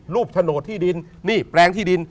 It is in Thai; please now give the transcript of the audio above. โฉนดที่ดินนี่แปลงที่ดิน